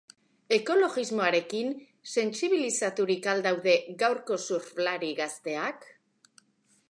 Ekologismoarekin sentsibilizaturik al daude gaurko surflari gazteak?